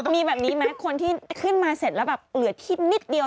มีแบบนี้ไหมคนที่ขึ้นมาเสร็จแล้วแบบเหลือที่นิดเดียว